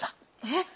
えっ？